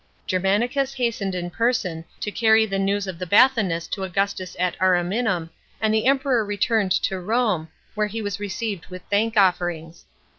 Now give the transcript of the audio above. Germanicus hastened in person to carry the news of the Bathinus to Augustus at Ariminum, and the Emperor returned to Home, where he was received with thank offerings.